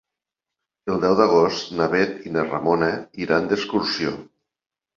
El deu d'agost na Bet i na Ramona iran d'excursió.